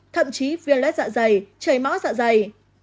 thậm chí viên lết dạ dày chảy máu dạ dày